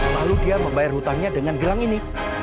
lalu dia membayar hutangnya dengan gelang ini